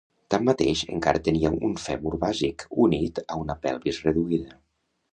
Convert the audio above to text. Tanmateix, encara tenia un fèmur bàsic unit a una pelvis reduïda.